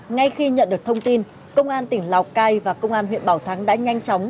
ngay khi nhận được thông tin công an tỉnh lào cai và công an huyện bảo thắng đã nhanh chóng